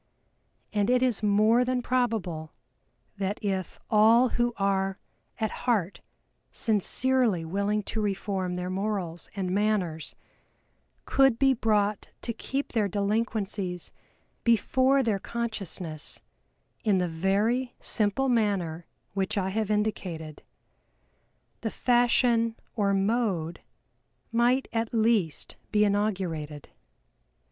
And it is more than probable that if all who are at heart sincerely willing to reform their morals and manners could be brought to keep their delinquencies before their consciousness in the very simple manner which I have indicated, the fashion or mode might at least be inaugurated.